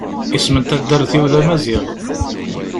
Isem n taddart-iw d amaziɣ.